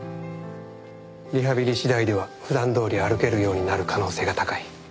リハビリ次第では普段どおり歩けるようになる可能性が高い